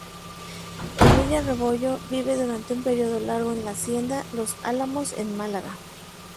Emilia Rebollo vive durante un periodo largo en la Hacienda Los Álamos en Málaga.